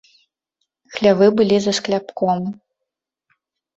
Хлявы былі за скляпком.